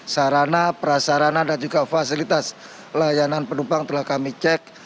sarana prasarana dan juga fasilitas layanan penumpang telah kami cek